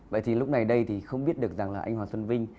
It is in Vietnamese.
vậy thì lúc này đây thì không biết được rằng là anh hoàng xuân vinh